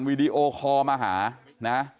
วีดีโอคอลมาหานะ